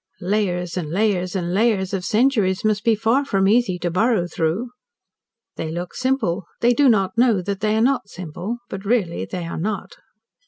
Layers and layers and layers of centuries must be far from easy to burrow through. They look simple, they do not know that they are not simple, but really they are not.